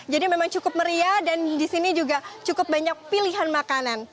jadi ada juga ada pilihan makanan